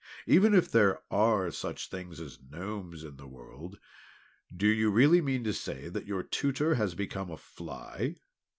Even if there are such things as Gnomes in the world, do you really mean to say that your Tutor has become a fly?"